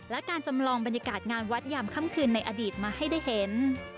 และการจำลองบรรยากาศงานวัดยามค่ำคืนในอดีตมาให้ได้เห็น